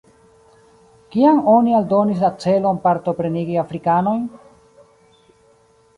Kiam oni aldonis la celon partoprenigi afrikanojn?